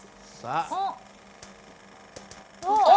ああ！